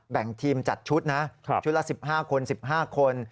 แบ่งทีมจัดชุดนะชุดละ๑๕คน๑๕คน